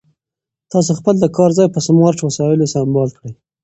تاسو خپل د کار ځای په سمارټ وسایلو سمبال کړئ.